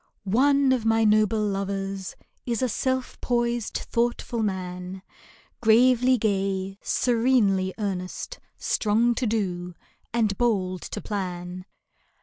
One of my noble lovers Is a self poised, thoughtful man, Gravely gay, serenely earnest, Strong to do, and bold to plan.